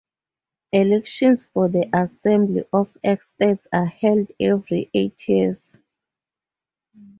Elections for the Assembly of Experts are held every eight years.